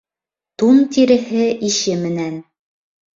Тун тиреһе ише менән.